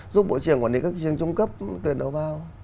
giúp bộ trưởng quản lý các trường trung cấp tuyển đầu vào